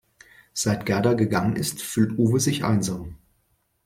Seit Gerda gegangen ist, fühlt Uwe sich einsam.